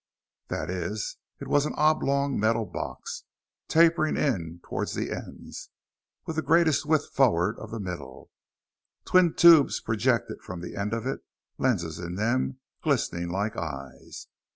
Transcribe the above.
That is, it was an oblong metal box, tapering toward the ends, with the greatest width forward of the middle. Twin tubes projected from the end of it, lenses in them glistening like eyes.